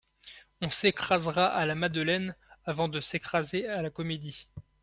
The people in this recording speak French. On s'écrasera à la Madeleine, avant de s'écraser à la Comédie.